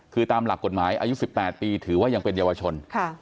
คือตามหลักกฎหมายอายุ๑๘ปีถือว่ายังเป็นเยาวชน